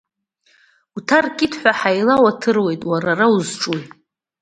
Уҭаркит ҳәа ҳаилауаҭыруеит, уара ара узҿуи?!